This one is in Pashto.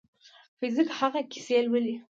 فزیک هغه کیسې لولي.